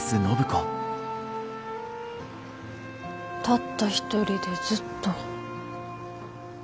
たった一人でずっと。